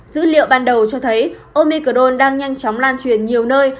dữ liệu ban đầu cho thấy omicron đang nhanh chóng lan truyền nhiều nơi